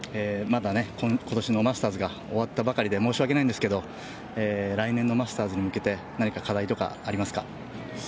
まだ今年のマスターズが終わったばかりで申し訳ないんですけど来年のマスターズに向けて何か課題とかありますか。